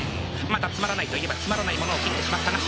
またつまらないといえばつまらないものを斬ってしまったな。